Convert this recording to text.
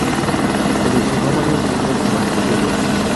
Coleccionó varios libros y manuscritos.